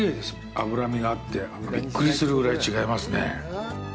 脂身があって、びっくりするぐらい違いますね。